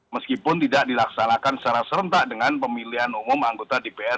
meskipun tidak dilaksanakan secara serentak dengan pemilihan umum anggota dpr